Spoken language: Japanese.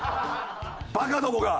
バカどもが！